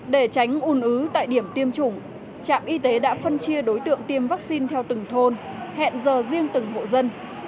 để tránh ủn ứ tại điểm tiêm chủng trạm y tế đã phân chia đối tượng tiêm vaccine theo từng thôn hẹn giờ riêng từng hộ dân